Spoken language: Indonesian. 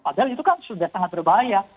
padahal itu kan sudah sangat berbahaya